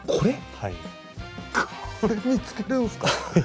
これ見つけるんですか？